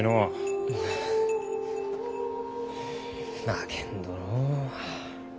まあけんどのう。